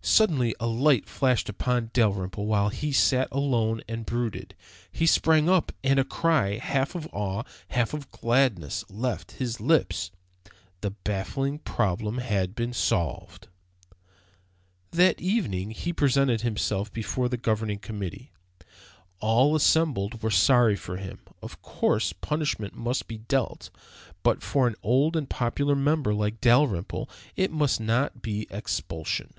Suddenly a light flashed upon Dalrymple while he sat alone and brooded. He sprang up and a cry, half of awe, half of gladness, left his lips. The baffling problem had been solved! That evening he presented himself before the Governing Committee. All assembled were sorry for him. Of course, punishment must be dealt, but for an old and popular member like Dalrymple it must not be expulsion.